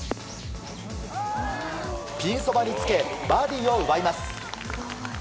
ピンそばにつけバーディーを奪います。